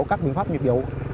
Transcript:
các biện pháp nhiệm vụ